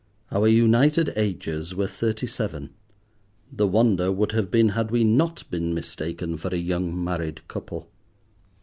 Our united ages were thirty seven. The wonder would have been had we not been mistaken for a young married couple.